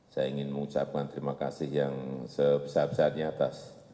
saya ingin mengucapkan terima kasih yang sebesar besarnya atas